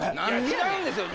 違うんですよ